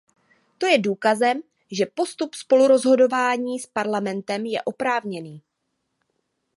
To je důkazem, že postup spolurozhodování s Parlamentem je oprávněný.